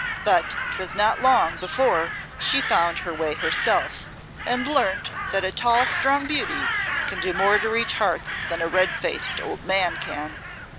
But 'twas not long before she found her way herself and learned that a tall, strong beauty can do more to reach hearts than a red faced old man can.